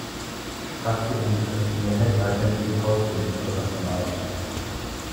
Er sprach sich, anders als die Mehrheit, weiterhin für die Paulskirchenverfassung aus.